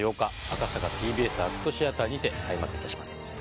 ＴＢＳ赤坂ＡＣＴシアターにて開幕いたします